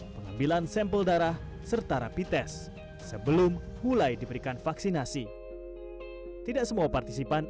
muhammad iqbal jakarta